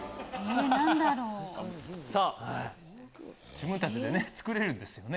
自分たちで作れるんですよね。